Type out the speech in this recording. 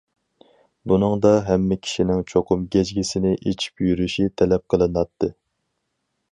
بۇنىڭدا ھەممە كىشىنىڭ چوقۇم گەجگىسىنى ئېچىپ يۈرۈشى تەلەپ قىلىناتتى.